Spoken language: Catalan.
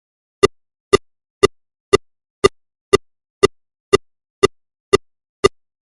Dos que dormen a la mateixa habitació es tornen de la mateixa opinió.